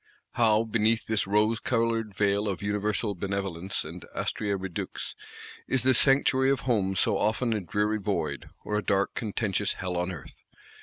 How, beneath this rose coloured veil of Universal Benevolence and Astræa Redux, is the sanctuary of Home so often a dreary void, or a dark contentious Hell on Earth!